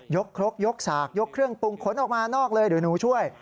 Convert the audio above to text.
ครกยกฉากยกเครื่องปรุงขนออกมานอกเลยเดี๋ยวหนูช่วย